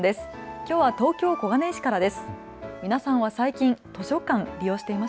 きょうは東京小金井市からです。